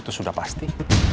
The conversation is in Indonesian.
itu sudah pasti